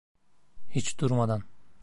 Hiç durmadan!